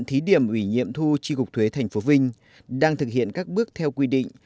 thí điểm ủy nhiệm thu tri cục thuế thành phố vinh đang thực hiện các bước theo quy định